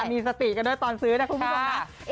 มีสติด้วยตอนซื้อหลุดนะคุณผู้ชม